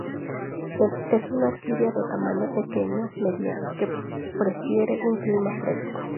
Es una orquídea de tamaño pequeño mediano, que prefiere un clima fresco.